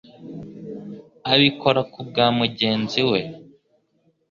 abikora ku bwa mugenzi we.